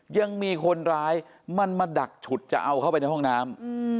ยังมีคนร้ายมันมาดักฉุดจะเอาเข้าไปในห้องน้ำ